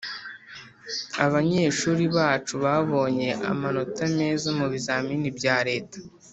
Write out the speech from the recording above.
abanyeshuri bacu babonye amanota meza mu bizamini bya leta